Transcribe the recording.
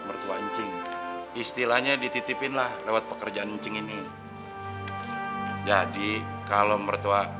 mertua anjing istilahnya dititipin lah lewat pekerjaan ini jadi kalau mertua